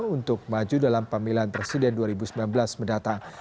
untuk maju dalam pemilihan presiden dua ribu sembilan belas mendatang